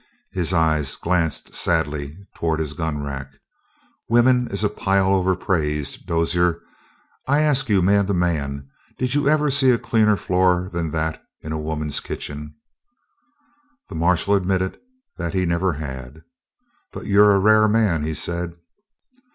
His eyes glanced sadly toward his gun rack. "Women is a pile overpraised, Dozier. I ask you, man to man, did you ever see a cleaner floor than that in a woman's kitchen?" The marshal admitted that he never had. "But you're a rare man," he said.